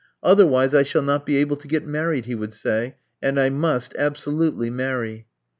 "Otherwise I shall not be able to get married," he would say; "and I must absolutely marry."